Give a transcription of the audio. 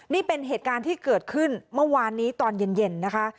นี่เป็นเหตุการณ์ที่เกิดขึ้นเมื่อวานนี้ตอนเย็นนะคะ